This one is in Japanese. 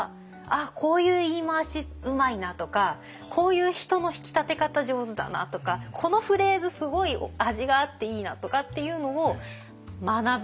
あこういう言い回しうまいな！とかこういう人の引き立て方上手だなとかこのフレーズすごい味があっていいなとかっていうのを学ぶ。